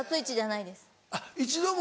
あっ一度も？